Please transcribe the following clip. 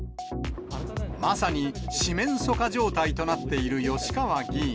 まさに四面楚歌状態となっている吉川議員。